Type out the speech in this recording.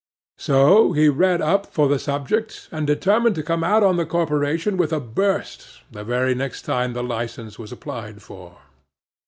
So he read up for the subject, and determined to come out on the corporation with a burst, the very next time the licence was applied for.